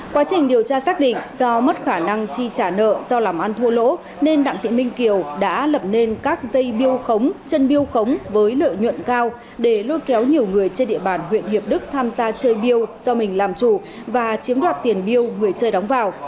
quá trình điều tra xác định do mất khả năng chi trả nợ do làm ăn thua lỗ nên đặng thị minh kiều đã lập nên các dây biêu khống chân biêu khống với lợi nhuận cao để lôi kéo nhiều người trên địa bàn huyện hiệp đức tham gia chơi biêu do mình làm chủ và chiếm đoạt tiền biêu người chơi đóng vào